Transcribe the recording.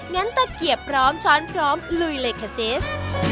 งั้นตะเกียบพร้อมช้อนพร้อมลุยเลคาซิส